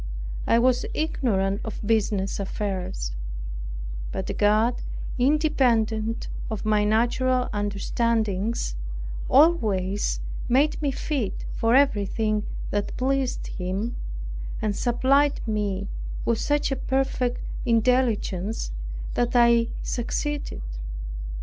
I was ignorant of business affairs; but God, independent of my natural understandings, always made me fit for everything that pleased Him, and supplied me with such a perfect intelligence that I succeeded.